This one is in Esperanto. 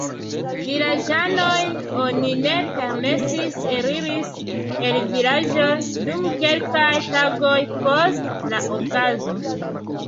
Vilaĝanojn oni ne permesis eliris el vilaĝoj dum kelkaj tagoj post la okazo.